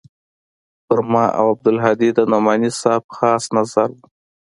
پر ما او عبدالهادي د نعماني صاحب خاص نظر و.